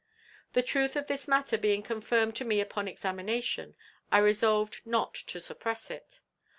"The truth of this matter being confirmed to me upon examination, I resolved not to suppress it.